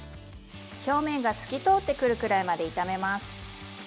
表面が透き通ってくるくらいまで炒めます。